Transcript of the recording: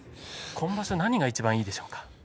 今場所、何がいちばんいいでしょうか？